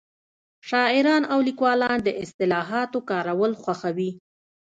شاعران او لیکوالان د اصطلاحاتو کارول خوښوي